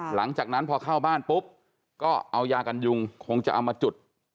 หลังจากนั้นพอเข้าบ้านปุ๊บก็เอายากันยุงคงจะเอามาจุด